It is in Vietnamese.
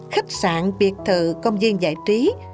khách sạn biệt thự công viên giải trí